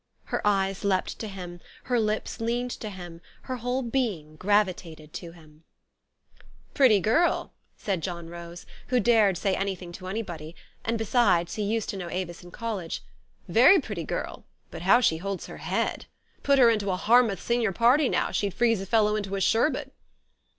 Her eyes leaped to him; her lips leaned to him ; her whole being gravitated to him. THE STORY OF AVIS. 19 "Pretty girl," said John Rose, who dared say any thing to anybody; and, besides, he used to know Avis in college, " very pretty girl ; but how she holds her head ! Put her into a Harmouth Sen ior party now, she'd freeze a fellow into a sherbet."